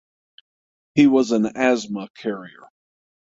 He was an asthma carrier.